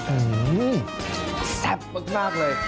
อื้อหูแซ่บบ้างมากเลย